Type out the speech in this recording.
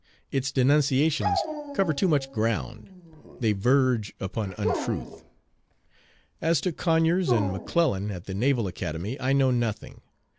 Its denunciations cover too much ground. They verge upon untruth. As to Conyers and McClellan at the Naval Academy I know nothing.